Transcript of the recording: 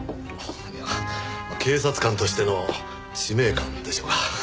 いや警察官としての使命感でしょうな。